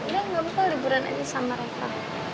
ya nggak apa apa liburan aja sama reva